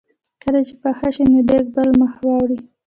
کله چې پخه شي نو دیګ په بل مخ واړوي.